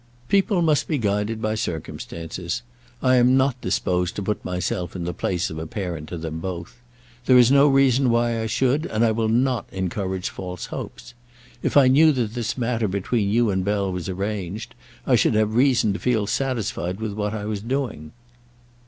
"People must be guided by circumstances. I am not disposed to put myself in the place of a parent to them both. There is no reason why I should, and I will not encourage false hopes. If I knew that this matter between you and Bell was arranged, I should have reason to feel satisfied with what I was doing."